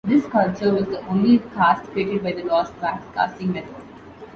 This sculpture was the only cast created by the lost-wax casting method.